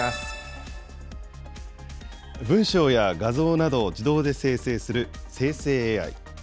文章や画像などを自動で生成する生成ＡＩ。